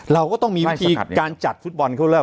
เราก็ต้องมีวิธีใช่สะขัดดีการจัดฟุตบอลเข้าเรื่อง